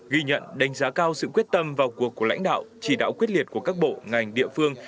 ghi nhận đánh giá cao sự quyết tâm vào cuộc của lãnh đạo chỉ đạo quyết liệt của các bộ ngành địa phương